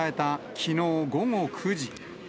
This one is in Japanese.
きのう午後９時。